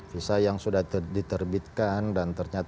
visa yang sudah diterbitkan dan ternyata expired karena kegagalan keberangkatan